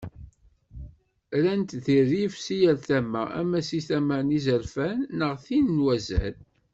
Rran-t di rrif seg yal tama, ama seg tama n yizerfan, neɣ d tin n wazal.